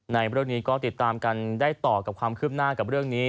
ในเรื่องนี้ก็ติดตามกันได้ต่อกับความคืบหน้ากับเรื่องนี้